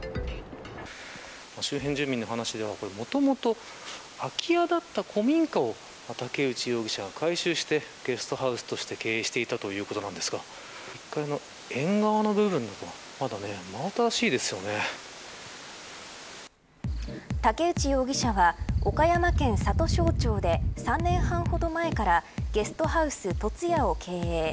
周辺住民の話では、もともと空き家だった古民家を武内容疑者が改修してゲストハウスとして経営していたということなんですが縁側の部分は武内容疑者は岡山県里庄町で３年半ほど前からゲストハウス凸屋を経営。